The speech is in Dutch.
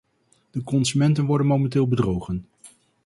De consumenten worden momenteel bedrogen.